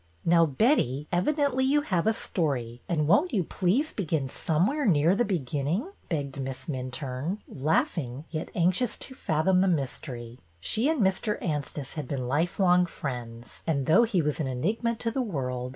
" Now, Betty, evidently you have a story, and won't you please begin somewhere near the be ginning?" begged Miss Minturne, laughing, yet anxious to fathom the mystery. She and Mr. Anstice had been lifelong friends, and, though he was an enigma to the world.